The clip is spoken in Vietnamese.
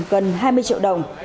gần hai mươi triệu đồng